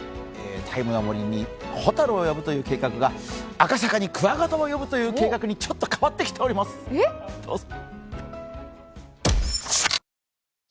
タイムの森にホタルを呼ぶという計画が赤坂にクワガタを呼ぶという計画にちょっと変わってきております、どうぞ。